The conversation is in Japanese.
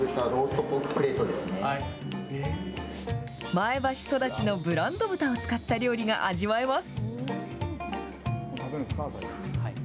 前橋育ちのブランド豚を使った料理が味わえます。